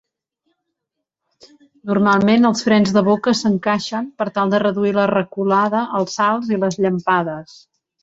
Normalment, els frens de boca s'encaixen per tal de reduir la reculada, els salts i les llampades.